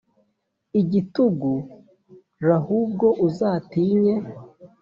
igitugu r ahubwo uzatinye